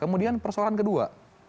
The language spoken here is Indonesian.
kemudian persoalan kedua